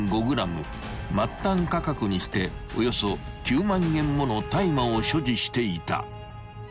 ［末端価格にしておよそ９万円もの大麻を所持していた］